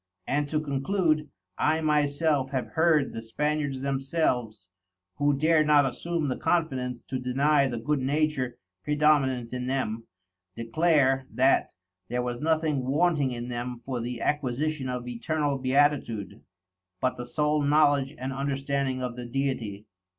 And to conclude, I my self have heard the Spaniards themselves (who dare not assume the Confidence to deny the good Nature praedominant in them) declare, that there was nothing wanting in them for the acquisition of Eternal Beatitude, but the sole Knowledge and Understanding of the Deity.